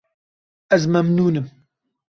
Ez memnûn im.